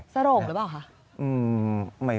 โรงหรือเปล่าคะ